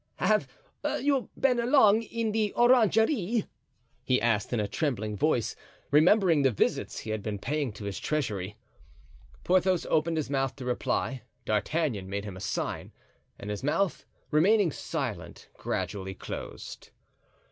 "Have you been long in the orangery?" he asked in a trembling voice, remembering the visits he had been paying to his treasury. Porthos opened his mouth to reply; D'Artagnan made him a sign, and his mouth, remaining silent, gradually closed.